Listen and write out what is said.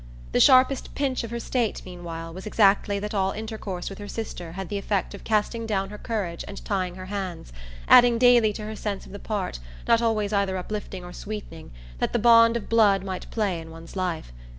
The sharpest pinch of her state, meanwhile, was exactly that all intercourse with her sister had the effect of casting down her courage and tying her hands, adding daily to her sense of the part, not always either uplifting or sweetening, that the bond of blood might play in one's life.